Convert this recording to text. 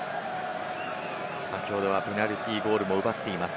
先ほどはペナルティーゴールも奪っています。